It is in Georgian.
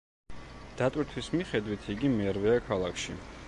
დატვირთვის მიხედვით, იგი მერვეა ქალაქში.